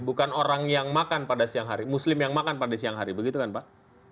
bukan orang yang makan pada siang hari muslim yang makan pada siang hari begitu kan pak